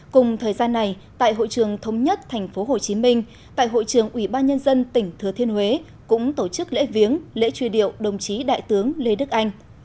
cùng thời gian này tại hội trường thống nhất thành phố hồ chí minh tại hội trường ủy ban nhân dân tỉnh thừa thiên huế cũng tổ chức lễ viếng lễ truy điệu đồng chí đại tướng lê đức anh